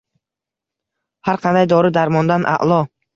Har qanday dori-darmondan a'lo.